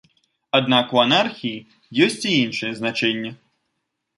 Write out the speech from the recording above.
Аднак у анархіі ёсць і іншае значэнне.